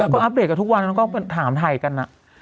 ก็อัพเดทกับทุกวันแล้วก็ถามไทยกันนะ